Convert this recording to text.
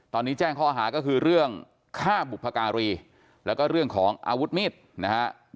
ตอนนี้แจ้งข้อหาก็คือเรื่องฆ่าบุพการีแล้วก็เรื่องของอาวุธมีดนะฮะ